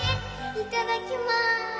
いただきます。